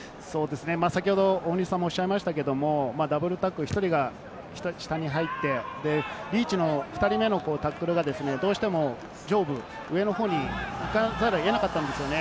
先ほど大西さんもおっしゃいましたけれども、ダブルタックル、１人が下に入って、２人目のリーチのタックルがどうしても上部、上の方に行かざるを得なかったんですよね。